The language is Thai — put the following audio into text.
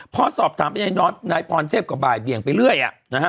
พอสอบถามไปนายพรเทพก็บ่ายเบี่ยงไปเรื่อยนะฮะ